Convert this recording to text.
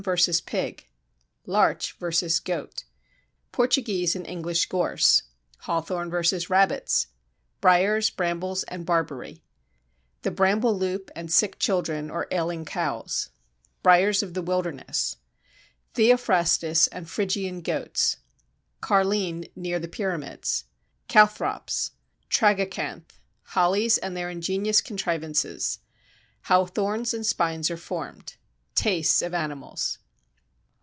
_ pig Larch v. goat Portuguese and English gorse Hawthorn v. rabbits Briers, brambles, and barberry The bramble loop and sick children or ailing cows Briers of the wilderness Theophrastus and Phrygian goats Carline near the Pyramids Calthrops Tragacanth Hollies and their ingenious contrivances How thorns and spines are formed Tastes of animals.